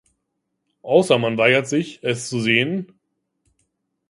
Außer man weigert sich, es zu sehen?